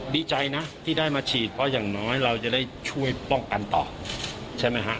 ดีใจนะที่ได้มาฉีดเพราะอย่างน้อยเราจะได้ช่วยป้องกันต่อใช่ไหมฮะ